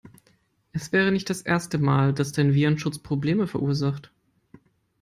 Es wäre nicht das erste Mal, dass dein Virenschutz Probleme verursacht.